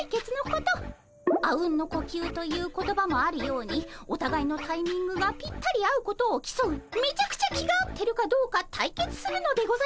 「阿吽の呼吸」という言葉もあるようにおたがいのタイミングがぴったり合うことをきそうめちゃくちゃ気が合ってるかどうか対決するのでございますね。